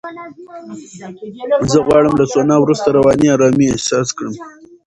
زه غواړم له سونا وروسته رواني آرامۍ احساس کړم.